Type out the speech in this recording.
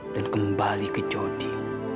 dan kembali ke jody